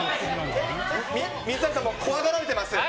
水谷さん、怖がられてます。